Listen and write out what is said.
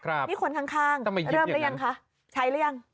ครับงั้นมายิดอย่างนั้นใช้รึยังคะไปเยี่ยมอยู่แล้ว